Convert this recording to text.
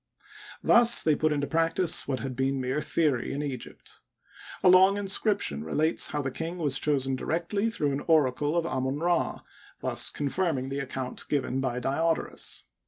Thus they put into practice what had been mere theory in Egypt. A long inscription relates how the king was chosen directly through an oracle of Amon Ra, thus confirming the account given by Diodorus.